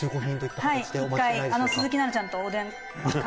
１回鈴木奈々ちゃんと、おでん会」